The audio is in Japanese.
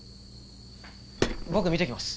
僕見てきます。